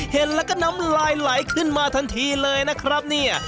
เห็นแล้วก็น้ำลายไหลขึ้นมาทันทีเลยนะครับเนี่ย